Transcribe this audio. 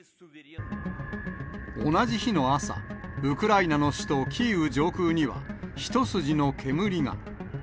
同じ日の朝、ウクライナの首都キーウ上空には、一筋の煙が。